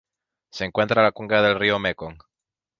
Se encuentra en la cuenca del río Mekong